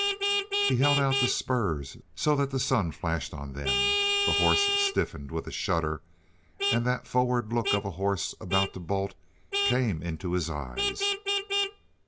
He held out the spurs so that the sun flashed on them. The horse stiffened with a shudder, and that forward look of a horse about to bolt came in his eyes.